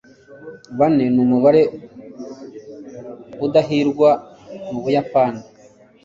bane numubare udahirwa mubuyapani